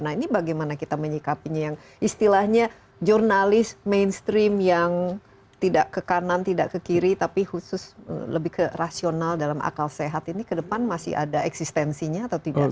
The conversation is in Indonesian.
nah ini bagaimana kita menyikapinya yang istilahnya jurnalis mainstream yang tidak ke kanan tidak ke kiri tapi khusus lebih ke rasional dalam akal sehat ini ke depan masih ada eksistensinya atau tidak